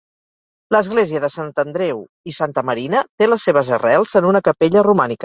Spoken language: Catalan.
L'església de Sant Andreu i Santa Marina té les seves arrels en una capella romànica.